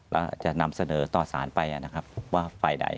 แล้วจะนำเสนอต่อสารไปนะครับว่าฝ่ายใด